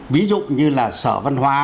ví dụ như là sở văn hóa